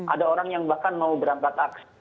ada orang yang bahkan mau berangkat aksi